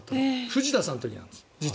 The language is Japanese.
藤田さんの時です。